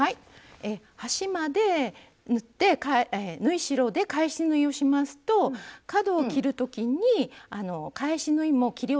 端まで縫って縫い代で返し縫いをしますと角を切る時に返し縫いも切り落とす可能性があるんですね。